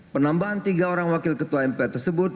penambahan tiga orang wakil ketua mpr tersebut